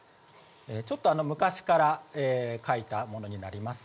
ちょっと昔から書いたものになります。